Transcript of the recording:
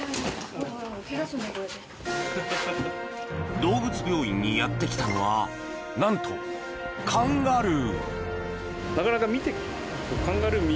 動物病院にやってきたのはなんとカンガルー！